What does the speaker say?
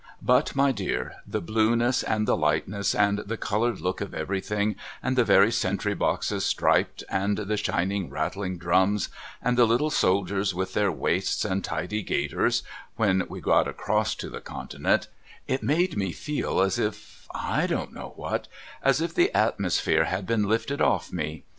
But my dear the blueness and the lightness and the coloured look of everything and the very sentry boxes striped and the shining rattling drums and the little soldiers with their waists and tidy gaiters, when we got across to the Continent — it made me feel as if I don't know what — as if the atmosphere had been lifted off me.